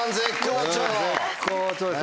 絶好調です